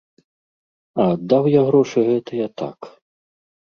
А аддаў я грошы гэтыя так.